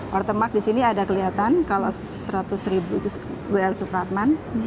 watermark di sini ada kelihatan kalau rp seratus itu br supratman